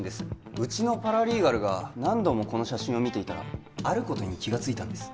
うちのパラリーガルが何度もこの写真を見ていたらあることに気がついたんです